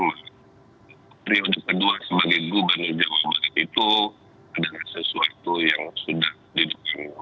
periode kedua sebagai gubernur jawab itu adalah sesuatu yang sudah didukung